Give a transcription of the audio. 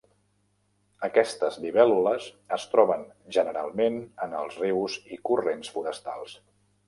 Aquestes libèl·lules es troben generalment en els rius i corrents forestals.